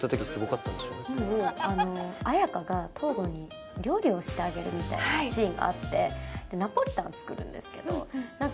もうあの料理をしてあげるみたいなシーンがあってでナポリタン作るんですけど何か